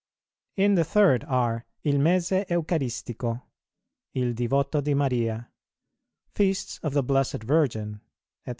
In the third are "Il Mese Eucaristico," "Il divoto di Maria," Feasts of the Blessed Virgin, &c.